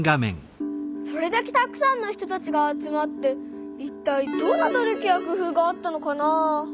それだけたくさんの人たちが集まっていったいどんな努力や工夫があったのかなあ？